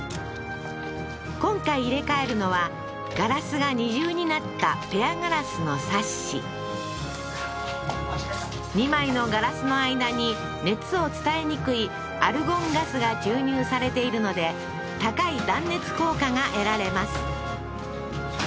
今回入れ替えるのはガラスが２重になったペアガラスのサッシ２枚のガラスの間に熱を伝えにくいアルゴンガスが注入されているので高い断熱効果が得られます